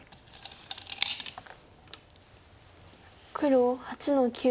黒８の九。